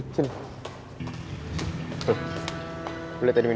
gua gak bakal kasih lu ampun